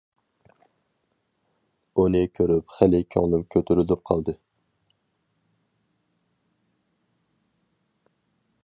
ئۇنى كۆرۈپ خېلى كۆڭلۈم كۆتۈرۈلۈپ قالدى.